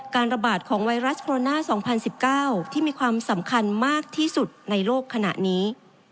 ระบาดของไวรัสโคโรนา๒๐๑๙ที่มีความสำคัญมากที่สุดในโลกขณะนี้